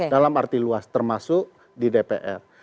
dalam arti luas termasuk di dpr